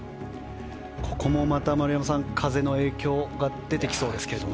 ここもまた丸山さん風の影響が出てきそうですね。